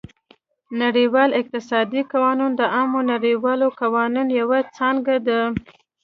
نړیوال اقتصادي قانون د عامه نړیوالو قوانینو یوه څانګه ده